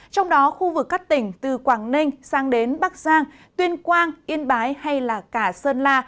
trong đó khu vực các tỉnh từ quảng ninh sang đến bắc giang tuyên quang yên bái hay cả sơn la